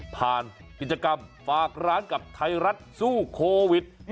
ผ่านกิจกรรมฝากร้านกับไทยรัฐสู้โควิด